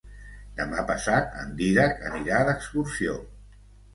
Demà passat en Dídac anirà d'excursió.